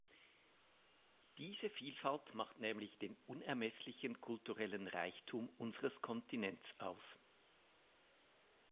Diese Vielfalt macht nämlich den unermesslichen kulturellen Reichtum unseres Kontinents aus.